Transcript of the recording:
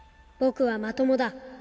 僕はまともだ